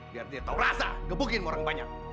biar dia tahu rasa gebukin orang banyak